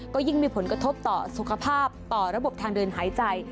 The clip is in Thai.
ก็ยิ่งมีผลกระทบต่อสุขภาพต่อระบบทางเดินหายใจ